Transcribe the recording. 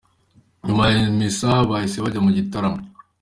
Nyuma ya Misa bahise bajya mu gitaramo.